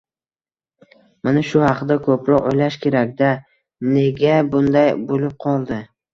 Mana shu haqda ko‘proq o‘ylash kerak-da: nega bunday bo‘lib qoldi?